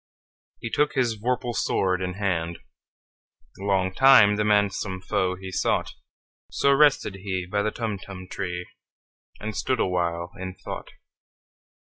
He took his vorpal sword in hand:Long time the manxome foe he sought—So rested he by the Tumtum tree, And stood awhile in thought.